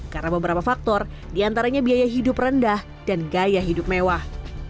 karena beberapa faktor diantaranya biaya hidup rendah dan gaya hidup mewah